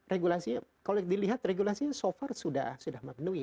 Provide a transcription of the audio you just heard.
regulasinya kalau dilihat regulasinya so far sudah memenuhi